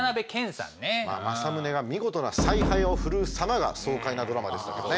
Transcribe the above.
政宗が見事な采配を振るう様が爽快なドラマでしたけどね。